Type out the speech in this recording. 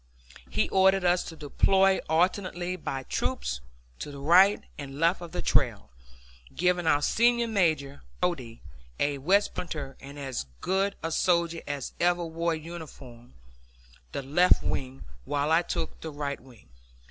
He ordered us to deploy alternately by troops to the right and left of the trail, giving our senior major, Brodie, a West Pointer and as good a soldier as ever wore a uniform, the left wing, while I took the right wing.